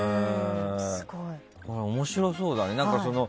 これ、面白そうだね。